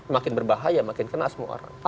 makin berbahaya makin kena semua orang